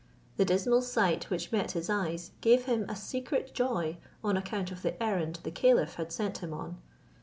The dismal sight which met his eyes, gave him a secret joy on account of the errand the caliph had sent him on.